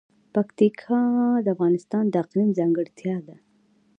پکتیکا د افغانستان د اقلیم ځانګړتیا ده.